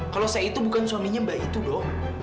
kalau saya itu bukan suaminya mbak itu dong